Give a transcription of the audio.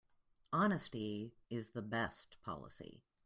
Honesty is the best policy.